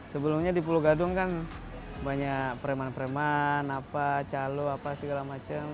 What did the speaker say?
sebelumnya di pulau gadung kan banyak pereman pereman calo segala macam